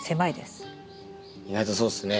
意外とそうっすね。